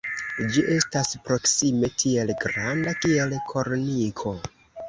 Ĝi estas proksime tiel granda kiel korniko.